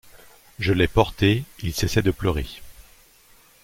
Je l'ai porté, il cessait de pleurer.